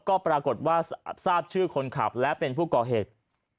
ก็ปรากฏว่าทราบชื่อคนขับและเป็นผู้ก่อเหตุ